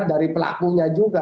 dari pelakunya juga